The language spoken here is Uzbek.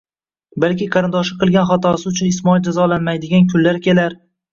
Balki qarindoshi qilgan xatosi uchun Ismoil jazolanmaydigan kunlar kelar...